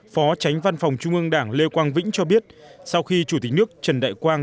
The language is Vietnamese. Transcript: phó tránh văn phòng trung ương đảng lê quang vĩnh cho biết sau khi chủ tịch nước trần đại quang